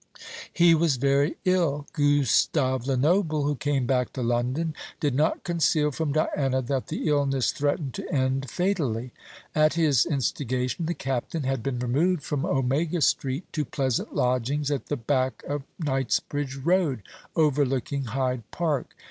He was very ill. Gustave Lenoble, who came back to London, did not conceal from Diana that the illness threatened to end fatally. At his instigation the Captain had been removed from Omega Street to pleasant lodgings at the back of Knightsbridge Road, overlooking Hyde Park.